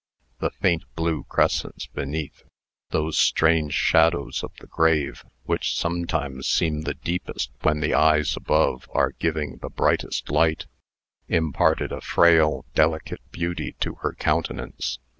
The faint blue crescents beneath those strange shadows of the grave, which sometimes seem the deepest when the eyes above are giving the brightest light imparted a frail, delicate beauty to her countenance.